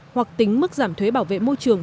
hoặc tính mức giảm thuế bảo vệ môi trường